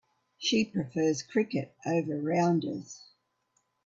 She prefers cricket over rounders.